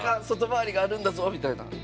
外回りがあるんだぞみたいな。